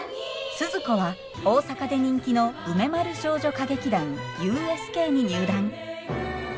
スズ子は大阪で人気の梅丸少女歌劇団ＵＳＫに入団。